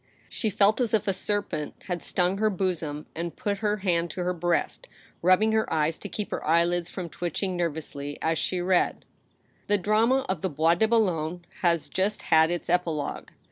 She felt as if a serpent had stung her bosom, and put up her hand to her breast, rubbing her eyes to keep her eyelids from twitching nervously, as she read :" The drama of the Bois de Boulogne has just had its epilogue.